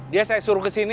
dia saya suruh kesini